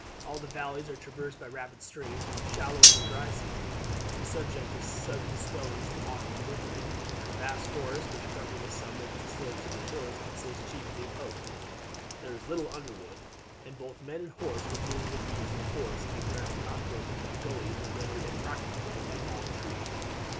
All the valleys are traversed by rapid streams, shallow in the dry season, but subject to sudden swellings in autumn and winter. The vast forests which cover the summits and slopes of the hills consist chiefly of oak; there is little underwood, and both men and horse would move with ease in the forests if the ground were not broken by gulleys, or rendered impracticable by fallen trees."